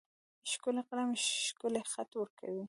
ښکلی قلم ښکلی خط ورکوي.